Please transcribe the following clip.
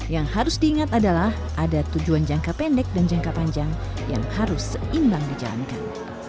yang harus diingat adalah ada tujuan jangka pendek dan jangka panjang yang harus seimbang dijalankan